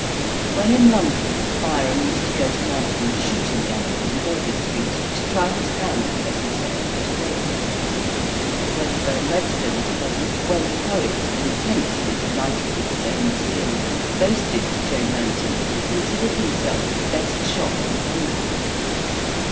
When in London, Byron used to go to Manton's shooting gallery, in Davis street, to try his hand, as he said, at a wafer. Wedderburn Webster was present when the poet, intensely delighted with his own skill, boasted to Joe Manton that he considered himself the best shot in London.